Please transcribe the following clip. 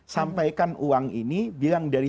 sampaikan uang ini bilang dari